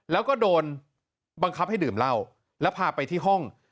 แล้วก็โดนบังคับให้ดื่มเหล้าแล้วพาไปที่ห้อง